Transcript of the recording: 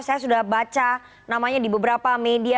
saya sudah baca namanya di beberapa media